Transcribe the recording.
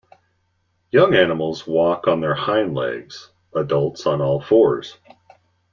Young animals walked on their hind legs, adults on all fours.